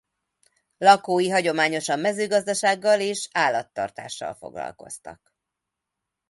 Lakói hagyományosan mezőgazdasággal és állattartással foglalkoztak.